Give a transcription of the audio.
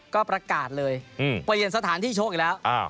ก็ประกาศเลยเปลี่ยนสถานที่ชกอีกแล้ว